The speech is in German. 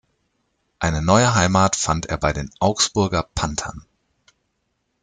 Eine neue Heimat fand er bei den Augsburger Panthern.